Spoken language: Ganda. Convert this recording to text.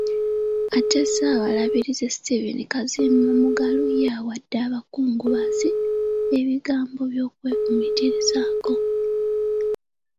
Ate Ssaabalabirizi Stephen Kazimba Mugalu ye awadde abakungubazi ebigambo by'okwefumiitirizaako.